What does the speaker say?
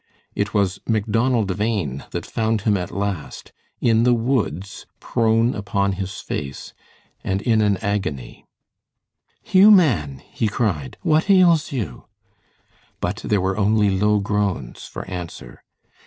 It was Macdonald Bhain that found him at last in the woods, prone upon his face, and in an agony. "Hugh, man," he cried, "what ails you?" But there were only low groans for answer.